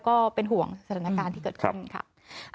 ก็เป็นห่วงสถานการณ์ที่เกิดขึ้นค่ะ